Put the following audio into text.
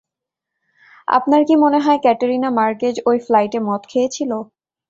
আপনার কী মনে হয় ক্যাটেরিনা মার্কেজ ওই ফ্লাইটে মদ খেয়েছিল?